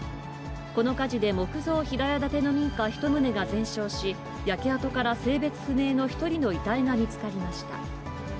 この火事で、木造平屋建ての民家１棟が全焼し、焼け跡から性別不明の１人の遺体が見つかりました。